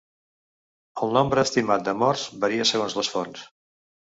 El nombre estimat de morts varia segons les fonts.